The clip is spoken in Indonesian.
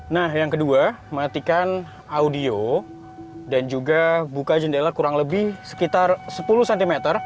nah yang kedua matikan audio dan juga buka jendela kurang lebih sekitar sepuluh cm